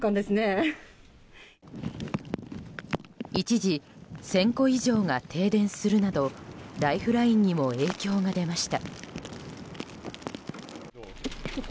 一時１０００戸以上が停電するなどライフラインにも影響が出ました。